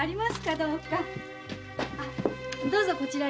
どうぞこちらに。